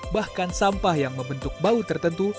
bahkan sampah yang membentuk bau tertentu